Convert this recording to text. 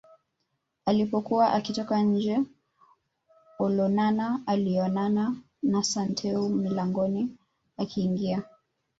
Alipokuwa akitoka nje Olonana alionana na Santeu mlangoni akiingia